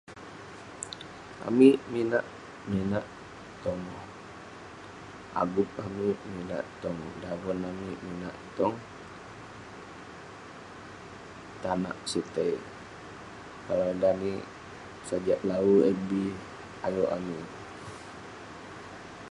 Amik minak, minak tong agup amik, minak tong daven amik, minak tong...tanak sitei. Kalau danik, sajak lawu eh bi ayuk amik.